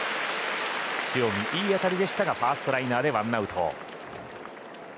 塩見、いい当たりでしたがファーストライナーでワンアウト。